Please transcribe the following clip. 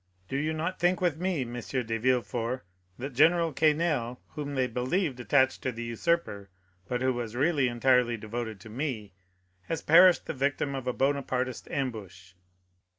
"Do you not think with me, M. de Villefort, that General Quesnel, whom they believed attached to the usurper, but who was really entirely devoted to me, has perished the victim of a Bonapartist ambush?"